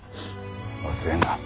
忘れるな。